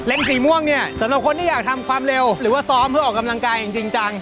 สีม่วงเนี่ยสำหรับคนที่อยากทำความเร็วหรือว่าซ้อมเพื่อออกกำลังกายอย่างจริงจัง